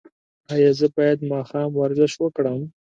ایا زه باید ماښام ورزش وکړم؟